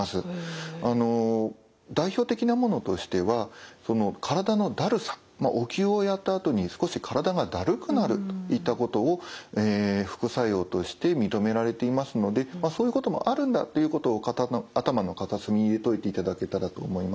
代表的なものとしては体のだるさお灸をやったあとに少し体がだるくなるといったことを副作用として認められていますのでそういうこともあるんだということを頭の片隅に入れておいていただけたらと思います。